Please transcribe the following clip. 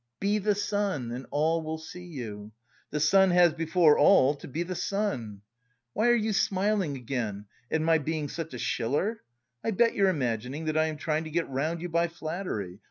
Be the sun and all will see you. The sun has before all to be the sun. Why are you smiling again? At my being such a Schiller? I bet you're imagining that I am trying to get round you by flattery.